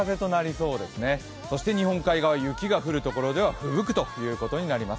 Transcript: そして日本海側、雪が降るところではふぶくことになります。